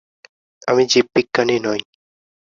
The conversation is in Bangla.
আমি জীববিজ্ঞানী নই।